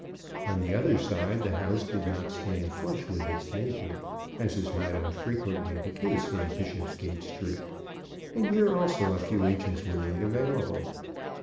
On the other side the house did not stand flush with its neighbour, as is not unfrequently the case in Bishopsgate Street, and here also a few inches were made available.